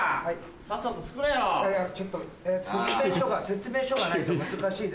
説明書が説明書がないと難しいです。